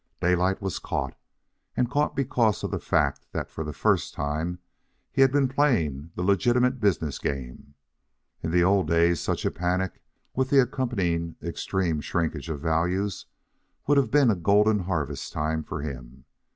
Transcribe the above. Daylight was caught, and caught because of the fact that for the first time he had been playing the legitimate business game. In the old days, such a panic, with the accompanying extreme shrinkage of values, would have been a golden harvest time for him.